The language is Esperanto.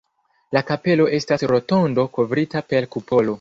La kapelo estas rotondo kovrita per kupolo.